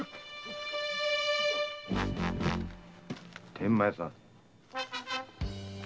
・天満屋さん。